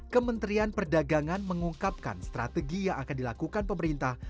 kementerian perdagangan mengungkapkan strategi yang akan dilakukan pemerintah